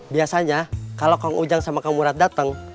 biasanya kalau kang ujang sama kang urat datang